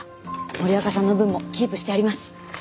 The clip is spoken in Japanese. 森若さんの分もキープしてあります。